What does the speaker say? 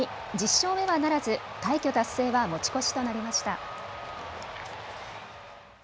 １０勝目はならず快挙達成は持ち越しとなりました。